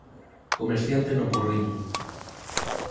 Comerciante no Porriño.